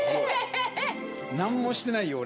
何もしてないよ